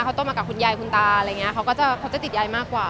เขาโตมากับคุณยายคุณตาอะไรอย่างนี้เขาก็จะเขาจะติดยายมากกว่า